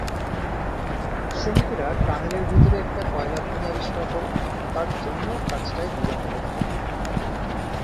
শ্রমিকেরা টানেলের ভিতরে একটা কয়লা খনি আবিষ্কার করে, তার জন্যেও কাজটায় বিলম্ব হতে থাকে।